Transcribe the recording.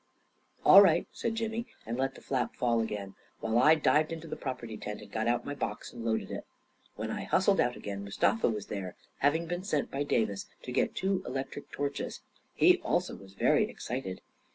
"All right," said Jimmy, and let the flap fall again; while I dived into the property tent, and got out my box and loaded it. When I hustled out again, Mustafa was there, hav ing been sent by Davis to get two electric torches. He also was very excited.